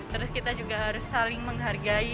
terus kita juga harus saling menghargai